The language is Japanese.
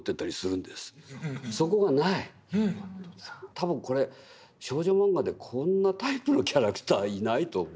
多分これ少女漫画でこんなタイプのキャラクターはいないと思う。